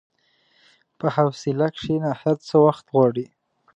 په حوصله کښېنه، هر څه وخت غواړي.